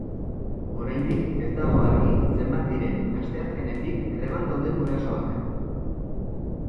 Oraindik ez dago argi zenbat diren asteazkenetik greban dauden gurasoak.